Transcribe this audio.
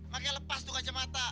makanya lepas tuh kacamata